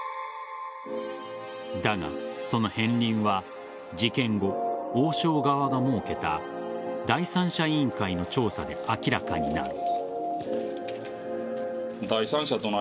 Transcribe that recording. だが、その片りんは事件後、王将側が設けた第三者委員会の調査で明らかになる。